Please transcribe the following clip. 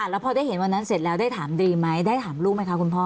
แล้วพอได้เห็นวันนั้นเสร็จแล้วได้ถามดีไหมได้ถามลูกไหมคะคุณพ่อ